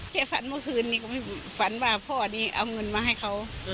ฝันเมื่อคืนนี้ก็ไม่ฝันว่าพ่อนี้เอาเงินมาให้เขา